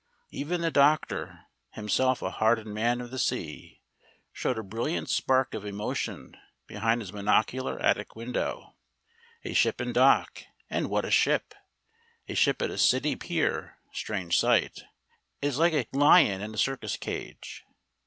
Even the doctor, himself a hardened man of the sea, showed a brilliant spark of emotion behind his monocular attic window. A ship in dock and what a ship! A ship at a city pier, strange sight. It is like a lion in a circus cage.